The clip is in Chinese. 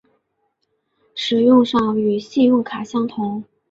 使用上与信用卡相同。